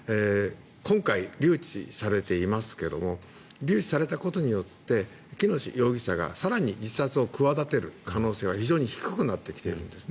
今回、留置されていますけれども留置されたことによって喜熨斗容疑者が更に自殺を企てる可能性は非常に低くなってきているんです。